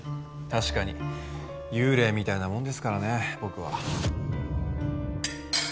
確かに幽霊みたいなもんですからね僕は。